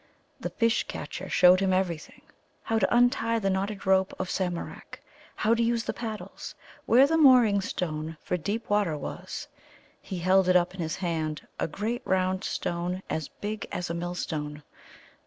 The Fish catcher showed him everything how to untie the knotted rope of Samarak, how to use the paddles, where the mooring stone for deep water was. He held it up in his hand, a great round stone as big as a millstone.